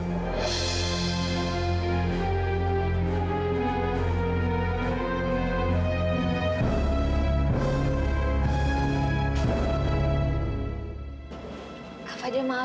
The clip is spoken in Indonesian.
ikilah dia satu di sebelah